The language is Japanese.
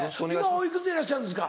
おいくつでいらっしゃるんですか。